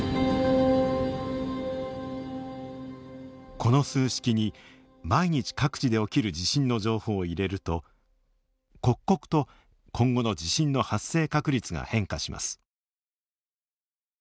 この数式に毎日各地で起きる地震の情報を入れると刻々と今後の地震の発生確率が変化します。